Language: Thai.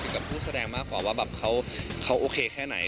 กับผู้แสดงมากกว่าว่าแบบเขาโอเคแค่ไหน